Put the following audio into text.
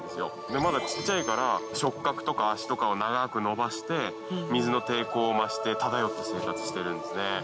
まだちっちゃいから触角とか足とかを長く伸ばして水の抵抗を増して漂って生活してるんですね。